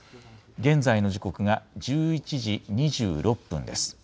現在の時刻が１１時２６分です。